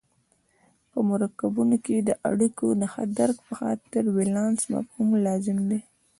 په مرکبونو کې د اړیکو د ښه درک په خاطر ولانس مفهوم لازم دی.